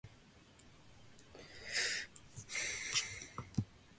Qureshi enjoys travelling and exploring different countries and cultures.